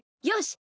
よし！